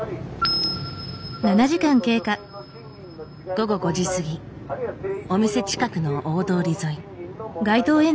午後５時過ぎお店近くの大通り沿い。